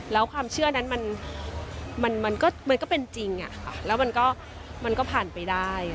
แล้วความเชื่อนั้นมันก็เป็นจริงแล้วมันก็ผ่านไปได้